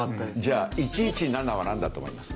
じゃあ１１７はなんだと思います？